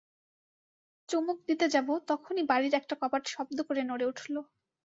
চুমুক দিতে যাব, তখনি বাড়ির একটা কপাট শব্দ করে নড়ে উঠল।